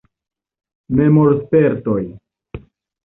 Memorspertoj.